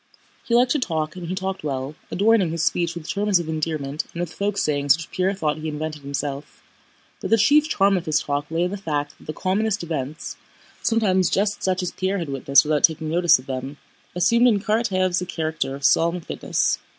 He liked to talk and he talked well, adorning his speech with terms of endearment and with folk sayings which Pierre thought he invented himself, but the chief charm of his talk lay in the fact that the commonest events—sometimes just such as Pierre had witnessed without taking notice of them—assumed in Karatáev's a character of solemn fitness.